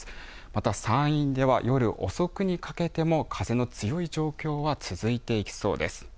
また山陰では夜遅くにかけても風の強い状況は続いていきそうです。